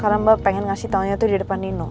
karena mbak pengen ngasih taunya tuh di depan nino